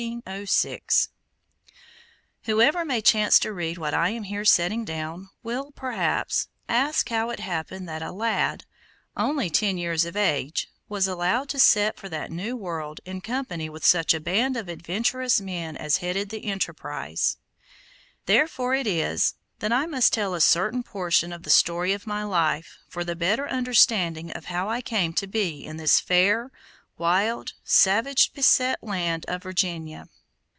Whosoever may chance to read what I am here setting down, will, perhaps, ask how it happened that a lad only ten years of age was allowed to sail for that new world in company with such a band of adventurous men as headed the enterprise. Therefore it is that I must tell a certain portion of the story of my life, for the better understanding of how I came to be in this fair, wild, savage beset land of Virginia.